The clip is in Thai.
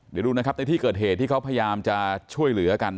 เดี๋ยวดูนะครับในที่เกิดเหตุที่เขาพยายามจะช่วยเหลือกัน